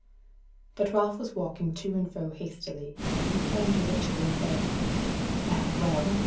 But Ralph was walking to and fro hastily, and he turned to Richard and said: "Well, well!